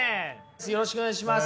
よろしくお願いします。